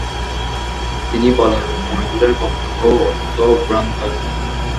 তিনি বলেন, মইদুলের বক্তব্য অসত্য ও ভ্রান্ত।